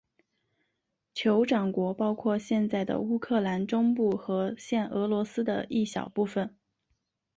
酋长国包括现在的乌克兰中部和现俄罗斯的一小部分。